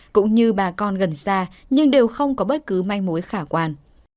cũng như bà con gần xa nhưng đều không có bất cứ may mối khả quan